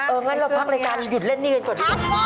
งั้นเราพักรายการหยุดเล่นหนี้กันก่อน